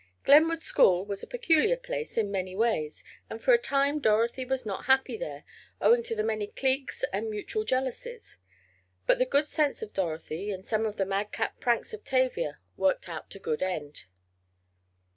Glenwood School was a peculiar place in many ways, and for a time Dorothy was not happy there, owing to the many cliques and mutual jealousies. But the good sense of Dorothy, and some of the madcap pranks of Tavia, worked out to a good end.